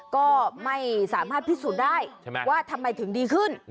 ก็ไม่สามารถพิสูจน์ได้ว่าทำไมถึงดีขึ้น